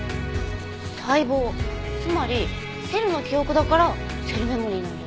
細胞つまり「セル」の「記憶」だからセルメモリーなんだ。